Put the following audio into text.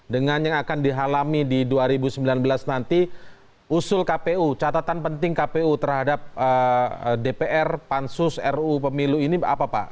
dengan yang akan dihalami di dua ribu sembilan belas nanti usul kpu catatan penting kpu terhadap dpr pansus ruu pemilu ini apa pak